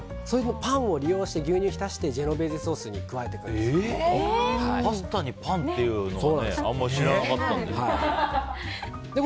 パンを利用して牛乳に浸してジェノベーゼソースにパスタにパンっていうのはあんまり知らなかったので。